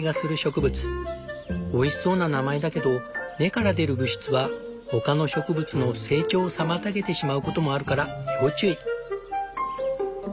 おいしそうな名前だけど根から出る物質は他の植物の成長を妨げてしまうこともあるから要注意。